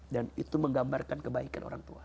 itu menggambarkan kebaikan orang tua